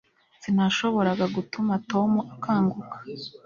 sinashoboraga gutuma tom akanguka